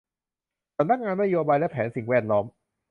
สำนักงานนโยบายและแผนสิ่งแวดล้อม